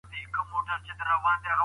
د تولیداتو کچه په تقاضا پورې اړه لري.